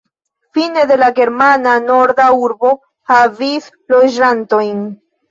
Fine de la germana, norda urbo havis loĝantojn.